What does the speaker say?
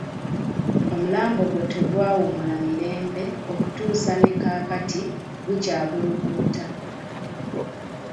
Omulambo gwe tegwawummula mirembe okutuusa ne kaakati gukyabulubuuta.